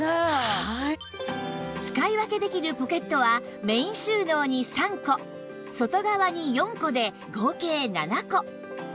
使い分けできるポケットはメイン収納に３個外側に４個で合計７個